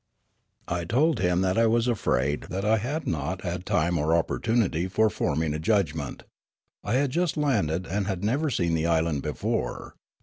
I told him that I was afraid that I had not had time or opportunity for forming a judgment. I had just landed and had never seen the island before.